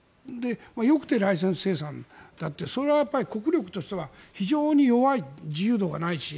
よくてライセンス生産でそれは国力としては非常に弱い自由度がないし。